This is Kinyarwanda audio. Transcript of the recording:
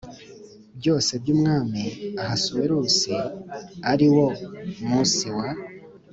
byose by Umwami Ahasuwerusi ari wo munsi wa